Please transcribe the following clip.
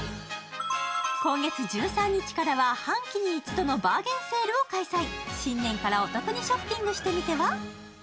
今月１３日からは半期に１度のバーゲンセールを開催新年からお得にショッピングしてみては？